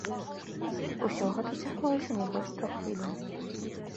Усё гэта цягнулася не больш трох хвілін.